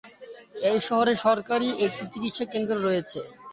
এই শহরে সরকারি একটি চিকিৎসা কেন্দ্র রয়েছে।